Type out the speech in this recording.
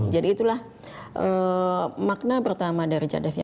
jadi itulah makna pertama dari cadang divisa